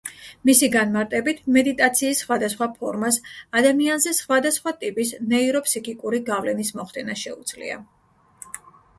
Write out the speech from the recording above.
მისი განმარტებით, მედიტაციის სხვადასხვა ფორმას ადამიანზე სხვადასხვა ტიპის ნეიროფსიქიკური გავლენის მოხდენა შეუძლია.